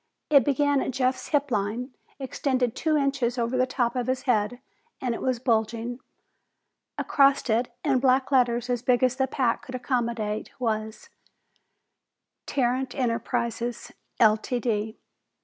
It began at Jeff's hip line, extended two inches over the top of his head, and it was bulging. Across it, in black letters as big as the pack would accommodate, was: TARRANT ENTERPRISES Ltd.